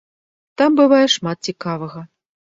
Там бывае шмат цікавага.